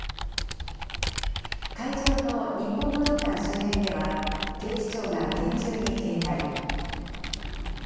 会場の日本武道館周辺では、警視庁が厳重に警戒。